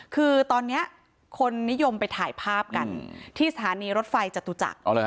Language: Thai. คือตอนนี้คนนิยมไปถ่ายภาพกันที่สถานีรถไฟจตุจักร